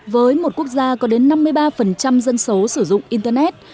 với một quốc gia có đến năm mươi ba dân số sử dụng internet